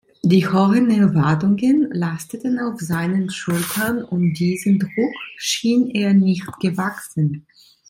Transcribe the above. Die hohen Erwartungen lasteten auf seinen Schultern und diesem Druck schien er nicht gewachsen.